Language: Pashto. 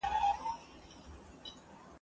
ساینس پوهان هنرمندان